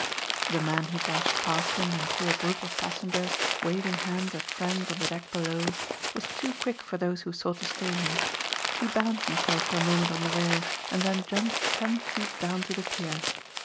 The man who dashed past him and through a group of passengers waving hands at friends on the deck below, was too quick for those who sought to stay him. He balanced himself for a moment on the rail and then jumped ten feet down to the pier.